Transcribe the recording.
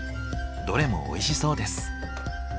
どれもおいしそうです。